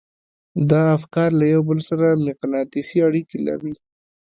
دا افکار له يو بل سره مقناطيسي اړيکې لري.